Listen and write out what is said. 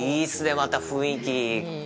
また雰囲気。